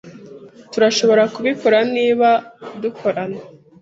Turashobora kubikora niba dukorana.